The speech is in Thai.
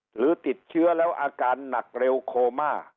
หรือติดเชื้อแล้วอาการหนักเร็วโคม่า